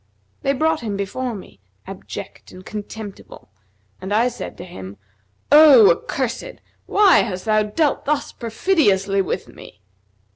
They brought him before me, abject and contemptible, and I said to him, 'O accursed, why hast thou dealt thus perfidiously with me?'